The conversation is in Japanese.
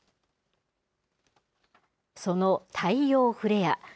その太陽フレア。